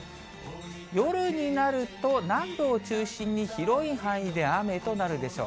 夜になると南部を中心に広い範囲で雨となるでしょう。